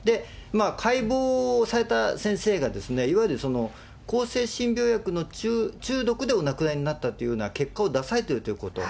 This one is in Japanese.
解剖された先生が、いわゆるその、抗精神病薬の中毒でお亡くなりになったっていうような結果を出されているということ。